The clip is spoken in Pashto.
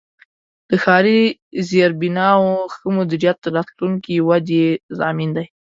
د ښاري زیربناوو ښه مدیریت د راتلونکې ودې ضامن دی.